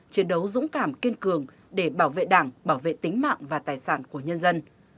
chiến đấu dũng cảm kiên cường để bảo vệ đảng bảo vệ tính mạng và tài sản của nhân dân